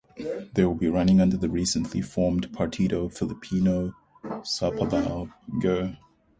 They will be running under the recently formed Partido Pilipino sa Pagbabago.